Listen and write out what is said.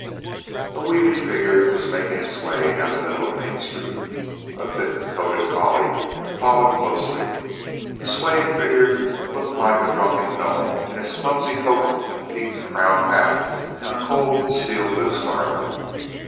A weaving figure was making its way down the middle of Main Street. A thick coated collie followed closely. The swaying figure looked like a drunken gnome in its clumsy coat and peak crowned hat in the cold steel blue starlight.